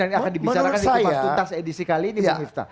dan akan dibicarakan di kumpas tuntas edisi kali ini bu miftah